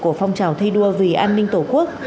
của phong trào thi đua vì an ninh tổ quốc